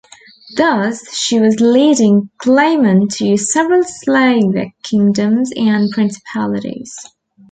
Thus, she was a leading claimant to several Slavic kingdoms and principalities.